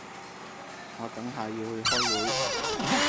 我等下要去開會